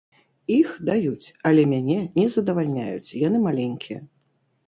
Іх даюць, але мяне не задавальняюць, яны маленькія.